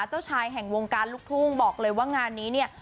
เจ้าชายแห่งวงการลูกทุ่งบอกเลยว่างานนี้เนี่ย